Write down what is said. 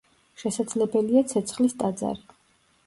შესაძლებელია, ცეცხლის ტაძარი.